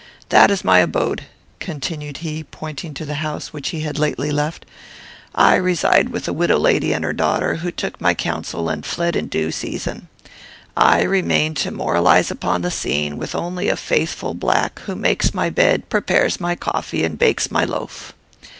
That is my abode," continued he, pointing to the house which he had lately left. "I reside with a widow lady and her daughter, who took my counsel, and fled in due season. I remain to moralize upon the scene, with only a faithful black, who makes my bed, prepares my coffee, and bakes my loaf.